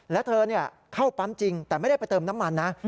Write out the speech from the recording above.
แล้วเธอเข้าปั๊มจริงแต่ไม่ได้ไปเติมน้ำมันนะ